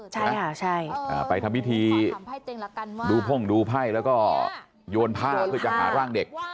ใช่ค่ะใช่ไปทำพิธีดูพ่งดูไพ่แล้วก็โยนผ้าเพื่อจะหาร่างเด็ก